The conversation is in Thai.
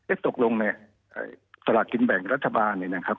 เอ๊ะตกลงเนี่ยตลาดกินแบ่งรัฐบาลนี่นะครับ